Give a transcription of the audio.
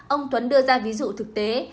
ông tuấn đưa ra ví dụ thực tế